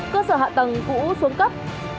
cơ sở hạ tầng cũ xuống cấp